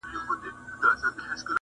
• له حاصله یې د سونډو تار جوړیږي -